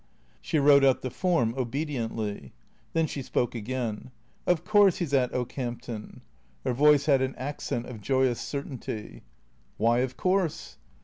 She wrote out the form obediently. Then she spoke again. " Of course he 's at Okehampton." Her voice had an accent of joyous certainty. " Why ' of course